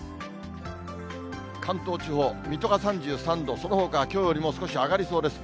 関東地方、水戸が３３度、そのほかはきょうよりも少し上がりそうです。